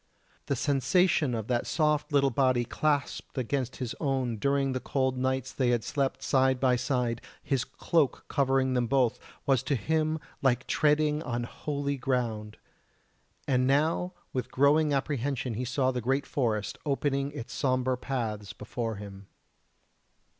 The sensation of that soft little body clasped against his own during the cold nights they had slept side by side, his cloak covering them both, was to him like treading on Holy ground! And now with growing apprehension he saw the great forest opening its sombre paths before him.